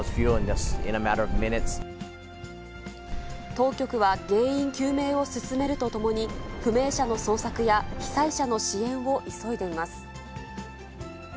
当局は、原因究明を進めるとともに、不明者の捜索や被災者の支援を急いでいます。